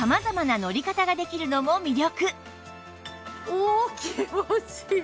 おお気持ちいい。